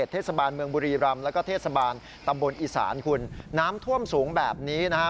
ตะบุญอิสานคุณน้ำท่วมสูงแบบนี้นะฮะ